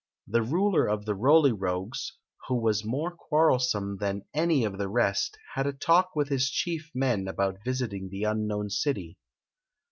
The ruler of the Roly Rogues, who was more quar relsome than any of the rest, had a talk with his chief men about visiting the unknown city.